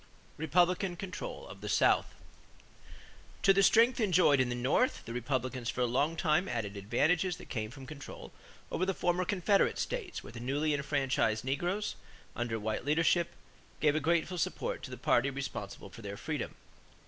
=Republican Control of the South.= To the strength enjoyed in the North, the Republicans for a long time added the advantages that came from control over the former Confederate states where the newly enfranchised negroes, under white leadership, gave a grateful support to the party responsible for their freedom.